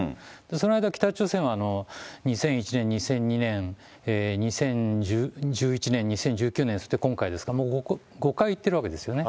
その間、北朝鮮は２００１年、２００２年、２０１１年、２０１９年、それで今回ですから、もう５回行ってるわけですよね。